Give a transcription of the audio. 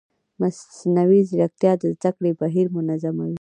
مصنوعي ځیرکتیا د زده کړې بهیر منظموي.